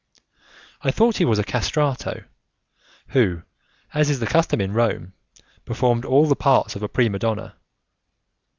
I thought he was a 'castrato' who, as is the custom in Rome, performed all the parts of a prima donna.